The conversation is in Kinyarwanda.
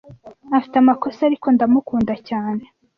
Afite amakosa, ariko ndamukunda cyane.